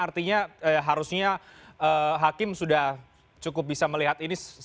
artinya harusnya hakim sudah cukup bisa melihat ini